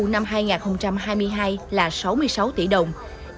năm hai nghìn hai mươi hai là sáu mươi sáu tỷ đồng doanh thu